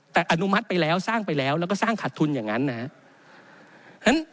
แต่อนุมัติไปแล้วสร้างไปแล้วแล้วก็สร้างขัดทุนอย่างนั้นนะครับ